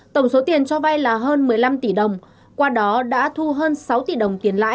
tổng số tiền cho vay là hơn một mươi năm tỷ đồng qua đó đã thu hơn sáu tỷ đồng tiền lãi